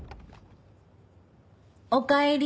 おかえり。